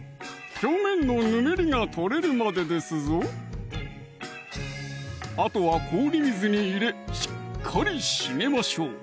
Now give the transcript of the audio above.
表面のぬめりが取れるまでですぞあとは氷水に入れしっかり締めましょう